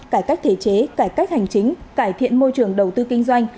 cải cách thể chế cải cách hành chính cải thiện môi trường đầu tư kinh doanh